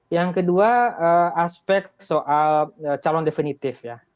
yang kedua aspek soal calon definitif ya